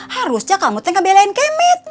harusnya kamu tuh ngebelain kemet